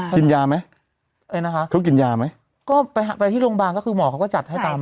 กินยาไหมอะไรนะคะเขากินยาไหมก็ไปไปที่โรงบาลก็คือหมอเขาก็จัดให้ตามนั้น